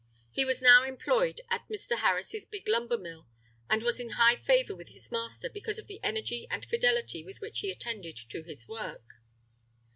He was now employed at Mr. Harris's big lumber mill, and was in high favour with his master because of the energy and fidelity with which he attended to his work.